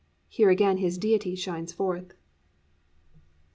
"+ Here again his Deity shines forth.